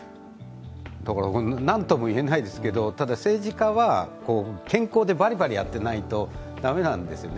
なんとも言えないですけれども、政治家は健康でバリバリやっていないと駄目なんですよね。